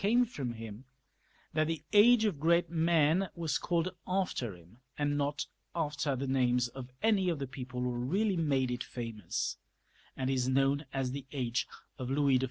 came finom him, that the age of great men was called after him, and not after the names of any of the people who really made it famous, and is known as the age of Louis XIV.